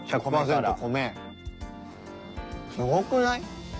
すごくない？